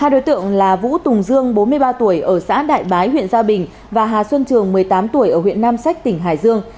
hai đối tượng là vũ tùng dương bốn mươi ba tuổi ở xã đại bái huyện gia bình và hà xuân trường một mươi tám tuổi ở huyện nam sách tỉnh hải dương